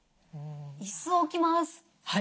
椅子を置きます。